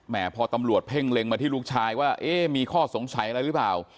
พอตำรวจเพ่งเล็งมาที่ลูกชายว่าเอ๊ะมีข้อสงสัยอะไรหรือเปล่า